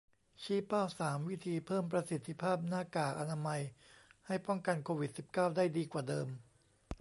ชี้เป้า สาม วิธีเพิ่มประสิทธิภาพหน้ากากอนามัย ให้ป้องกันโควิด สิบเก้า ได้ดีกว่าเดิม